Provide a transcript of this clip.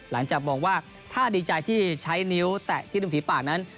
หลังจากมองว่าถ้าดีใจที่ใช้นิ้วแตะที่ริมฝีปากนั้น